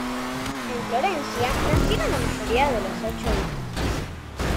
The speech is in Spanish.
En Florencia nacieron la mayoría de los ocho hijos.